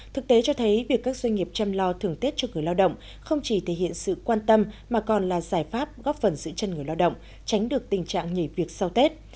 thực tế cho thấy việc các doanh nghiệp chăm lo thưởng tết cho người lao động không chỉ thể hiện sự quan tâm mà còn là giải pháp góp phần giữ chân người lao động tránh được tình trạng nhảy việc sau tết